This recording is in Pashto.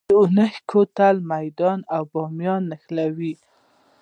د اونی کوتل میدان او بامیان نښلوي